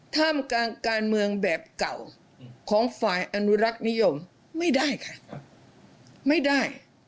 ท่ามกลางการเมืองแบบเก่าของฝ่ายอนุรักษ์นิยมไม่ได้ค่ะไม่ได้